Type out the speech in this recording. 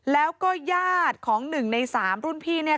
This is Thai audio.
แล้วก็ยาติของหนึ่งในสามรุ่นพี่